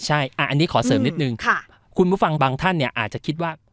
ใช่อันนี้ขอเสริมนิดนึงคุณผู้ฟังบางท่านเนี่ยอาจจะคิดว่า